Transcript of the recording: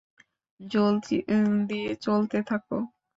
জলদি, চলতে থাক!